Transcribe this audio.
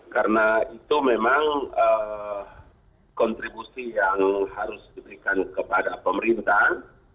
karena itu memang kontribusi yang harus diberikan kepada pemerintah